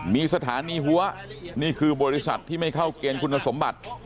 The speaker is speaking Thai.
มีสถานีหัวนี่คือบริษัทที่ไม่เข้าเกณฑ์คุณสมบัติ